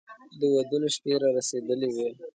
د ودونو شپې را رسېدلې وې.